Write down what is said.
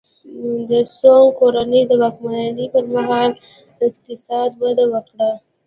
د سونګ کورنۍ د واکمنۍ پرمهال اقتصاد وده وکړه.